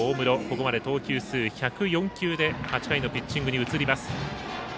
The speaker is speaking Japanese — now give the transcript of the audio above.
ここまで投球数１０４球で８回のピッチングに移ります。